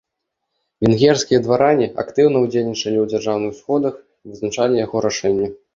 Венгерскія дваране актыўна ўдзельнічалі ў дзяржаўных сходах і вызначалі яго рашэнні.